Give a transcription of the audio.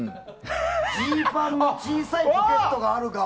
ジーパンの小さいポケットがある側。